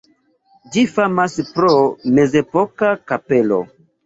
Ĝi famas pro mezepoka kapelo.